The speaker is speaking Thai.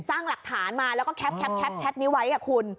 สร้างหลักฐานมาแล้วก็แคปแชทนี้ไว้คุณ